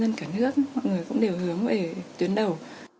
nhân cả nước mọi người cũng đều hướng về tuyến đầu